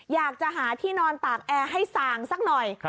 อยากจะหาที่นอนตากแอร์ให้ส่างสักหน่อย